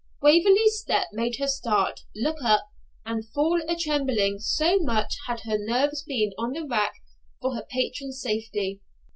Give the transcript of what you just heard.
Waverley's step made her start, look up, and fall a trembling, so much had her nerves been on the rack for her patron's safety.